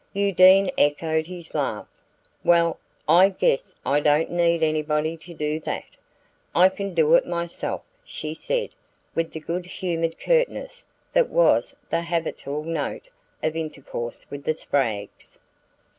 Undine echoed his laugh. "Well, I guess I don't need anybody to do that: I can do it myself," she said, with the good humoured curtness that was the habitual note of intercourse with the Spraggs.